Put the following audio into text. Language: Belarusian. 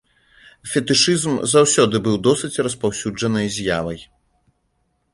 Фетышызм заўсёды быў досыць распаўсюджанай з'явай.